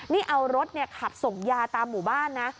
นี่เอารถขับส่งยาตามหมู่บ้านนะ